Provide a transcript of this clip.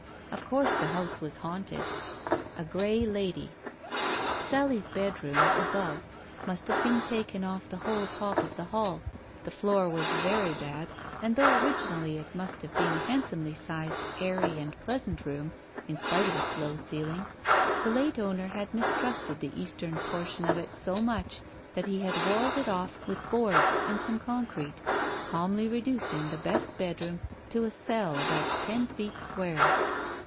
Of course the house was haunted. ^ A grey lady. Sally's bedroom, above, must have been taken off the whole top of the hall, the floor was very bad, and though originally it must have been a handsome sized, airy and pleasant room in spite of its low ceiling, the late owner had mistrusted the eastern portion of it so much that he had walled it off with boards and some concrete, calmly reducing the best bedroom to a cell about ten feet square.